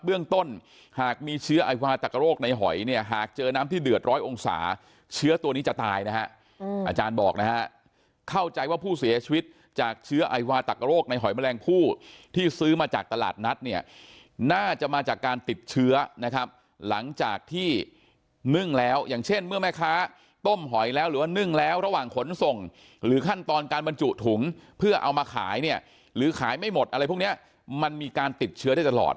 เบื้องต้นหากมีเชื้อไอวาตักโรคในหอยเนี่ยหากเจอน้ำที่เดือดร้อยองศาเชื้อตัวนี้จะตายนะฮะอาจารย์บอกนะฮะเข้าใจว่าผู้เสียชีวิตจากเชื้อไอวาตักโรคในหอยแมลงผู้ที่ซื้อมาจากตลาดนัดเนี่ยน่าจะมาจากการติดเชื้อนะครับหลังจากที่นึ่งแล้วอย่างเช่นเมื่อแม่ค้าต้มหอยแล้วหรือว่านึ่งแล